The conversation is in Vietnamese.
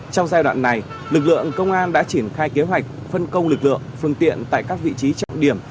trong giai đoạn này lực lượng công an đã triển khai kế hoạch phân công lực lượng phương tiện tại các vị trí trọng điểm